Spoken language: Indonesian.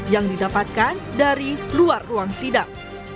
yang didapatkan dari luar ruang sidang